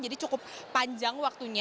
jadi cukup panjang